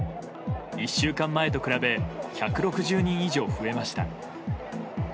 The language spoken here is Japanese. １週間前と比べ１６０人以上増えました。